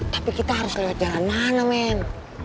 tapi kita harus lewat jalan mana men